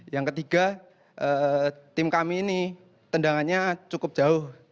yang ketiga tim kami ini tendangannya cukup jauh